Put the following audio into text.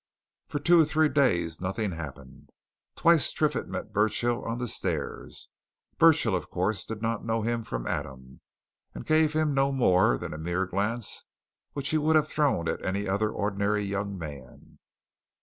For two or three days nothing happened. Twice Triffitt met Burchill on the stairs Burchill, of course, did not know him from Adam, and gave him no more than the mere glance he would have thrown at any other ordinary young man.